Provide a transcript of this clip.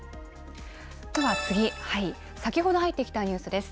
では次、先ほど入ってきたニュースです。